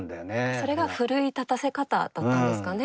それが奮い立たせ方だったんですかね